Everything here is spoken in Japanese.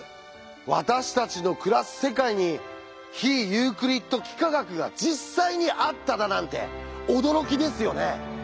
私たちの暮らす世界に非ユークリッド幾何学が実際にあっただなんて驚きですよね。